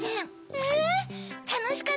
えっ！